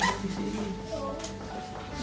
sepanjang ribu meskipun kini kini